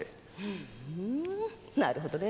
ふんなるほどね。